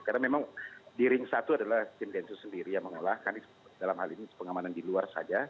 karena memang di ring satu adalah tim densus sendiri yang mengolahkan dalam hal ini pengamanan di luar saja